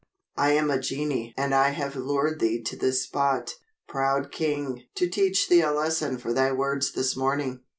"I am a genii and I have lured thee to this spot, proud king, to teach thee a lesson for thy words this morning."